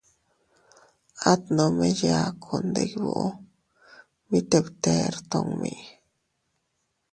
At nome yaku, ndibuu, mite btere tummi.